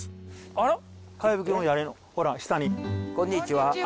あこんにちは。